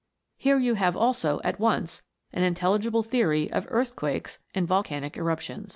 Here you have, also, at once, an intelligible theory of earthquakes and volcanic erup tions.